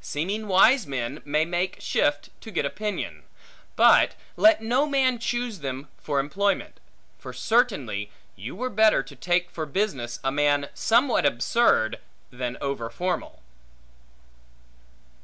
Seeming wise men may make shift to get opinion; but let no man choose them for employment; for certainly you were better take for business, a man somewhat absurd, than over formal.